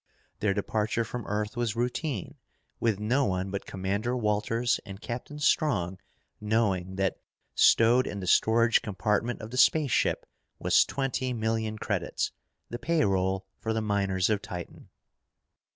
Their departure from Earth was routine, with no one but Commander Walters and Captain Strong knowing that stowed in the storage compartment of the spaceship was twenty million credits, the pay roll for the miners of Titan.